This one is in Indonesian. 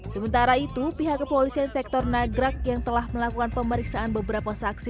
sementara itu pihak kepolisian sektor nagrak yang telah melakukan pemeriksaan beberapa saksi